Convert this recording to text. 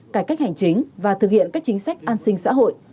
cải cách hành chính và thực hiện các chính sách an sinh xã hội